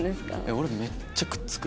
俺めっちゃくっつく。